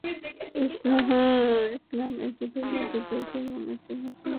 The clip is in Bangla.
ইসলাম একটি দূর্ভেদ্য দূর্গ এবং একটি মজবুত শক্তিশালী দরজা।